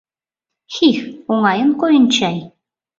— Хих, оҥайын койын чай.